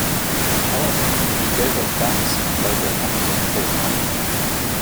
However, she gave up dance in favor of acting full-time.